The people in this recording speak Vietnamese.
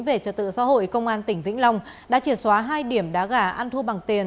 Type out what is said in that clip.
về trật tự xã hội công an tỉnh vĩnh long đã triệt xóa hai điểm đá gà ăn thua bằng tiền